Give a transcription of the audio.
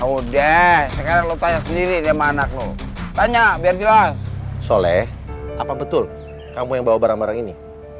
udah sekarang lu tanya sendiri anak lu tanya bip las soleh tak betul kamu yang bawa barang barang ini